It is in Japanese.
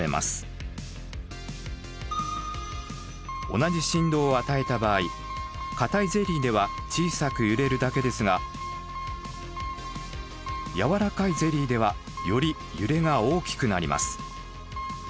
同じ振動を与えた場合固いゼリーでは小さく揺れるだけですが軟らかいゼリーではより揺れが大きくなります。